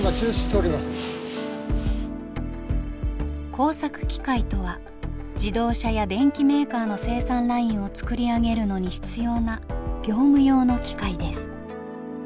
工作機械とは自動車や電機メーカーの生産ラインを作り上げるのに必要な業務用の機械です。